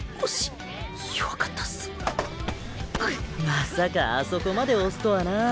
まさかあそこまで押すとはなぁ。